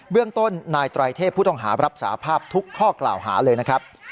เรื่องต้นนายไตรเทพผู้ต้องหารับสาภาพทุกข้อกล่าวหาเลยนะครับ